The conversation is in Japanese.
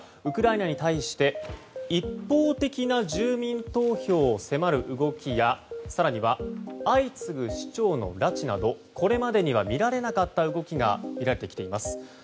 ウクライナに対して一方的な住民投票を迫る動きや更には相次ぐ市長の拉致などこれまでには見られなかった動きがみられてきています。